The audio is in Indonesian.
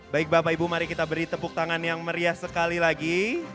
baik bapak ibu mari kita beri tepuk tangan yang meriah sekali lagi